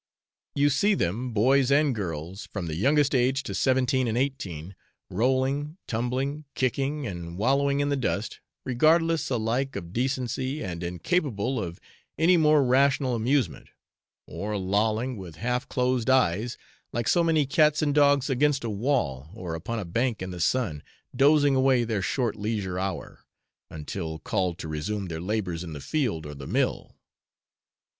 You see them, boys and girls, from the youngest age to seventeen and eighteen, rolling, tumbling, kicking, and wallowing in the dust, regardless alike of decency, and incapable of any more rational amusement; or, lolling, with half closed eyes, like so many cats and dogs, against a wall, or upon a bank in the sun, dozing away their short leisure hour, until called to resume their labours in the field or the mill.